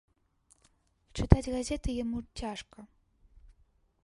Чытаць газеты яму цяжка.